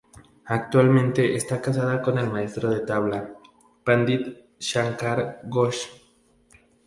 Actualmente está casada con el maestro de tabla, Pandit Shankar Ghosh.